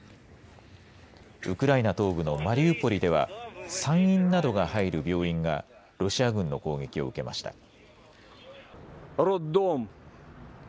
ウクライナ東部のマリウポリでは産院などが入る病院がロシア軍の攻撃を受けました。